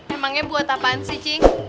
emangnya buat apaan sih cik